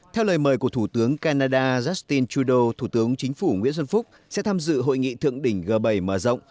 theo lời mời của thủ tướng canada justin trudeau thủ tướng chính phủ nguyễn xuân phúc sẽ tham dự hội nghị thượng đỉnh g bảy mở rộng